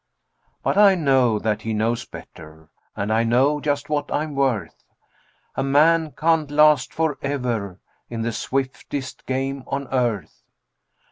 But I know that he knows better, and I know just what I'm worth A man can't last forever in the swiftest game on earth.